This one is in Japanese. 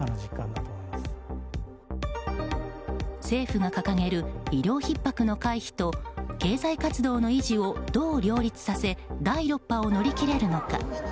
政府が掲げる医療ひっ迫の回避と経済活動の維持をどう両立させ第６波を乗り切れるのか。